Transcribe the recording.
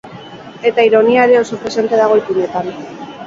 Eta ironia ere oso presente dago ipuinetan.